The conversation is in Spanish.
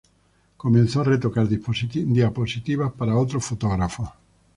Comenzó a retocar diapositivas para otros fotógrafos.